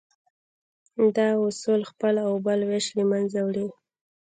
دا اصول خپل او بل وېش له منځه وړي.